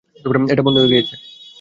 এটা বন্ধ হয়ে গিয়েছে।